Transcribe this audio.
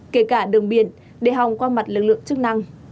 kể cả đường biển đề hòng qua mặt lực lượng chức năng